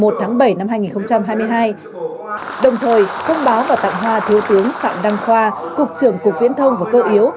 đồng thời công báo và tặng hoa thiếu tướng phạm đăng khoa cục trưởng cục viễn thông và cơ yếu